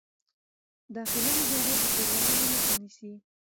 داخلي نظارت د تېروتنو مخه نیسي.